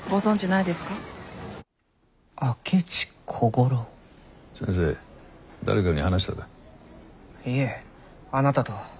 いえあなたと。